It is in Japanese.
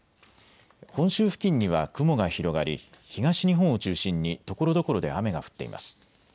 本州付近には雲が広がり東日本を中心にところどころで雨が降っています。